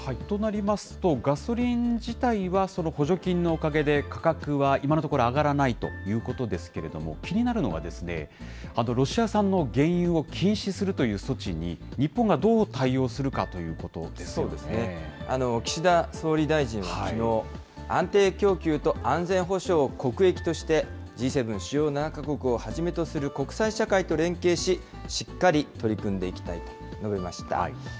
となりますと、ガソリン自体は補助金のおかげで価格は今のところ、上がらないということですけれども、気になるのはですね、ロシア産の原油を禁止するという措置に、日本がどう対応するかと岸田総理大臣はきのう、安定供給と安全保障を国益として、Ｇ７・主要７か国をはじめとする国際社会と連携し、しっかり取り組んでいきたいと述べました。